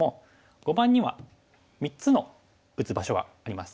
碁盤には３つの打つ場所があります